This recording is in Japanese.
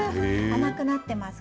甘くなっています。